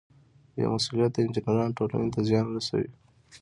بې مسؤلیته انجینران ټولنې ته زیان رسوي.